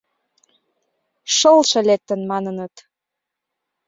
Шылше лектын, маныныт.